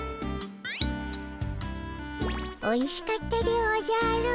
おいしかったでおじゃる。